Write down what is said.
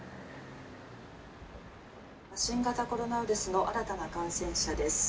「新型コロナウイルスの新たな感染者です。